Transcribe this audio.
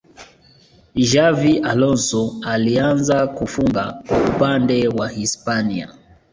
xavi alonso alianza kufunga kwa upande wa hispania